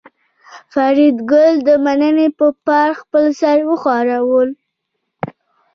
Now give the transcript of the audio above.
فریدګل د مننې په پار خپل سر وښوراوه